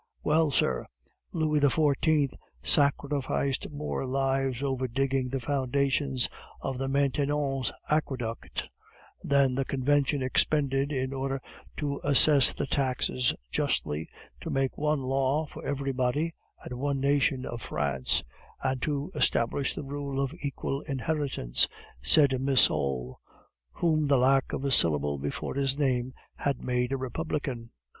"Well, sir, Louis XIV. sacrificed more lives over digging the foundations of the Maintenon's aqueducts, than the Convention expended in order to assess the taxes justly, to make one law for everybody, and one nation of France, and to establish the rule of equal inheritance," said Massol, whom the lack of a syllable before his name had made a Republican.